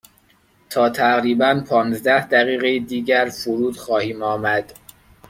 تا تقریبا پانزده دقیقه دیگر فرود خواهیم آمد.